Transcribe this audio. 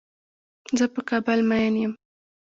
زۀ په کابل مين يم.